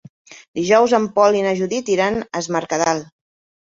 Dijous en Pol i na Judit iran a Es Mercadal.